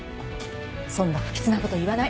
そんな不吉な事言わない！